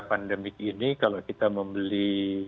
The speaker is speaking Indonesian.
pandemik ini kalau kita membeli